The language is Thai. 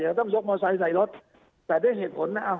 จะต้องยกมอเตอร์ไซค์ใส่รถแต่ด้วยเหตุผลนะ